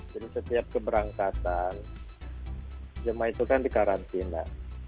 jadi setiap keberangkatan jemaah itu kan dikarantina